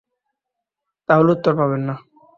তাহলে উত্তর পাবেন না।